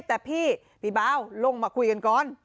แต่พี่พี่เบาลงมาคุยกันก่อน